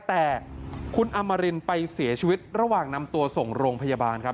แต่คุณอมรินไปเสียชีวิตระหว่างนำตัวส่งโรงพยาบาลครับ